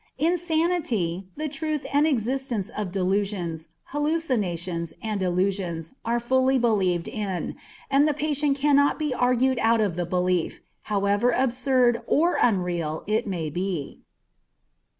In insanity, the truth and existence of delusions, hallucinations, and illusions are fully believed in, and the patient cannot be argued out of the belief, however absurd or unreal it may be.